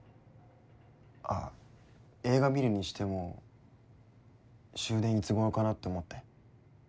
あっ映画見るにしても終電いつごろかなって思って。